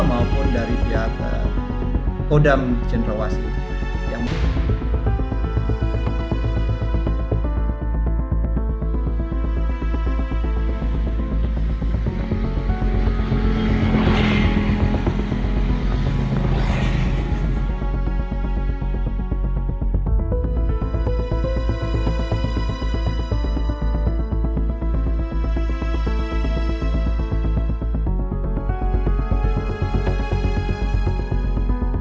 maupun dari pihak kodam jendrawasih yang berada di sini